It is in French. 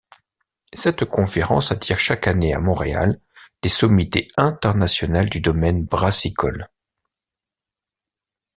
Cette conférence attire chaque année à Montréal des sommités internationales du domaine brassicole.